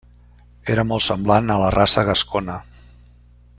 Era molt semblant a la raça gascona.